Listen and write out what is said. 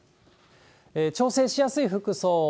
調整しやすい服装を。